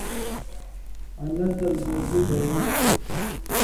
آں نسل مُوٹُھو بَیؤں تُھو۔